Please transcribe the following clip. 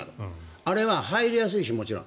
あれは入りやすいし、もちろん。